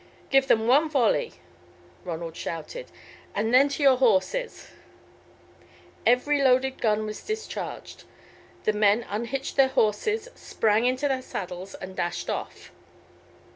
"Give them one volley," Ronald shouted, "and then to your horses." Every loaded gun was discharged; the men unhitched their horses, sprang into their saddles, and dashed off.